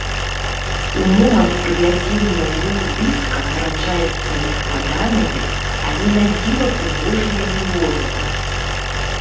У момант прывядзення ў рух дыска, нараджаецца нескладаная, але на дзіва прыгожая мелодыя.